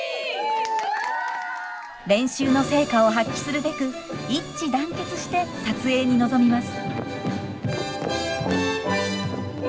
練習の成果を発揮するべく一致団結して撮影に臨みます。